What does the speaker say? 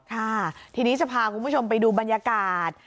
ค่ะทีนี้จะพาคุณผู้ชมไปดูบรรยากาศ